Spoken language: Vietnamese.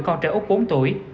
con trẻ úc bốn tuổi